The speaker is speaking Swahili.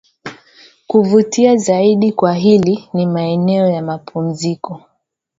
Kuvutia zaidi kwa hili ni maeneo ya mapumziko